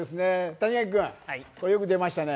谷垣君、これはよく出ましたね？